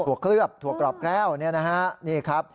ถั่วเคลือบถั่วกรอบแก้วนี่นะครับ